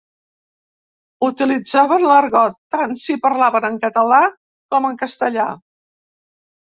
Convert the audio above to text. Utilitzaven l'argot tant si parlaven en català com en castellà.